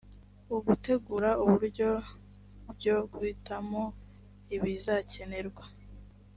ugutegura uburyo byo guhitamo ibizakenerwa